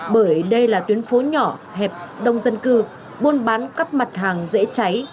bởi đây là tuyến phố nhỏ hẹp đông dân cư buôn bán các mặt hàng dễ cháy